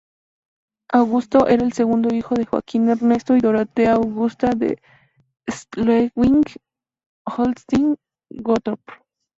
Augusto era el segundo hijo de Joaquín Ernesto y Dorotea Augusta de Schleswig-Holstein-Gottorp.